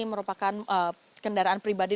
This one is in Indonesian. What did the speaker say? merupakan kendaraan pribadi